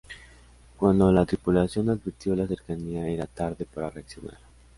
Cuando la tripulación advirtió la cercanía, era tarde para reaccionar.